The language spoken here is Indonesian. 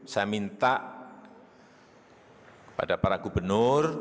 saya minta kepada para gubernur